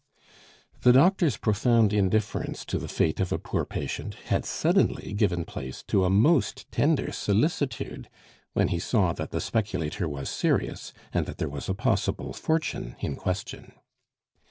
The doctor's profound indifference to the fate of a poor patient had suddenly given place to a most tender solicitude when he saw that the speculator was serious, and that there was a possible fortune in question.